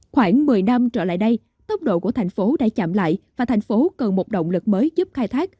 khoảng một mươi năm trở lại đây tốc độ của thành phố đã chậm lại và thành phố cần một động lực mới giúp khai thác